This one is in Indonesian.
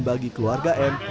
bagi keluarga m